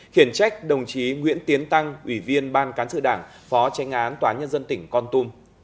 khiển trách đồng chí nguyễn tiến tăng ủy viên ban cán sự đảng phó tranh án tòa nhân dân tỉnh con tum